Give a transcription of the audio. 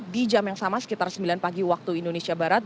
di jam yang sama sekitar sembilan pagi waktu indonesia barat